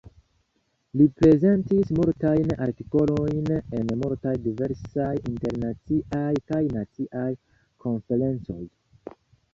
Li prezentis multajn artikolojn en multaj diversaj internaciaj kaj naciaj konferencoj.